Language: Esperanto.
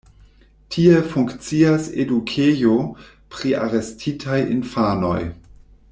Tie funkcias edukejo pri arestitaj infanoj.